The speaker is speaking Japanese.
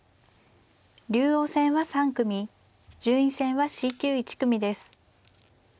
竜王戦は３組順位戦はＣ級１組です。